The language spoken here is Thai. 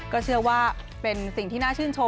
ก็เชื่อว่าเป็นสิ่งที่น่าชื่นชม